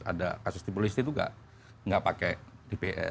ada kasus di polisi itu tidak pakai dpr